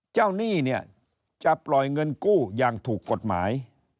หนี้เนี่ยจะปล่อยเงินกู้อย่างถูกกฎหมาย